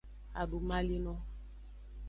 Adumalino.